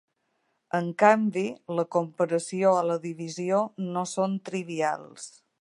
En canvi, la comparació o la divisió no són trivials.